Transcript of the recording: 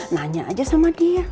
nanya aja sama dia